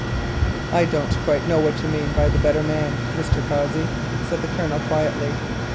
"I don't quite know what you mean by the 'better man,' Mr. Cossey," said the Colonel quietly.